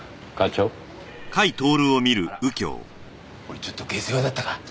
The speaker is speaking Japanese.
俺ちょっと下世話だったか？